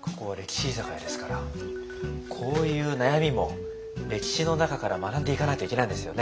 ここは歴史居酒屋ですからこういう悩みも歴史の中から学んでいかないといけないんですよね。